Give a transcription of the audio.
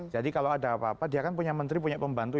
jadi kalau ada apa apa dia kan punya menteri punya pembantu